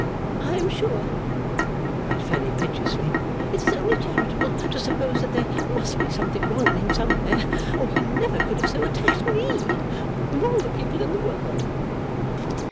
'I am sure,' cried Fanny, piteously, 'it is only charitable to suppose that there must be something wrong in him somewhere, or he never could have so attacked Me, of all the people in the world.